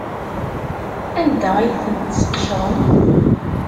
Anda ay ten-tesqecrem?